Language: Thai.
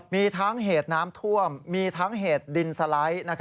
มีทั้งเหตุน้ำท่วมมีทั้งเหตุดินสไลด์